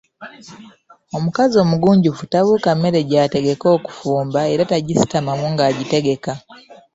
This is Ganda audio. Omukazi omugunjufu tabuuka mmere gy’ategeka okufumba era tagisitamamu ng’agitegeka.